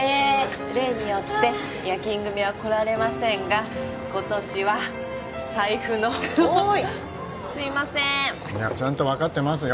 例によって夜勤組は来られませんが今年は財布のおーいすいませーんいやちゃんと分かってますよ